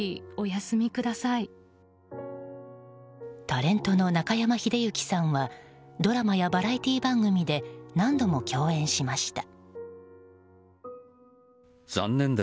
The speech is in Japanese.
タレントの中山秀征さんはドラマやバラエティー番組で何度も共演しました。